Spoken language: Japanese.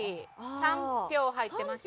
３票入ってました。